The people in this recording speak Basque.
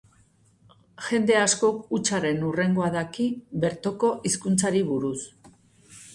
Jende askok hutsaren hurrengoa daki bertoko hizkuntzari buruz.